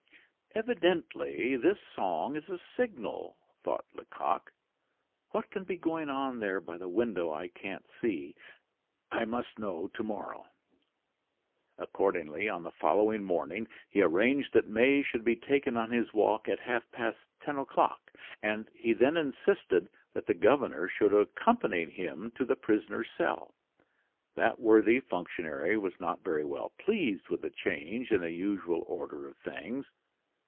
"Evidently this song is a signal," thought Lecoq. "What can be going on there by the window I can't see? I must know to morrow." Accordingly on the following morning he arranged that May should be taken on his walk at half past ten o'clock, and he then insisted that the governor should accompany him to the prisoner's cell. That worthy functionary was not very well pleased with the change in the usual order of things.